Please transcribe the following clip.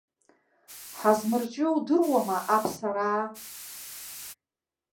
Ҳазмырҿио удыруама аԥсараа?